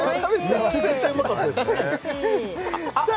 めちゃくちゃうまかったですねさあ